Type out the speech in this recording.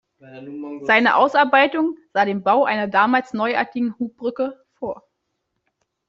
Seine Ausarbeitung sah den Bau einer damals neuartigen Hubbrücke vor.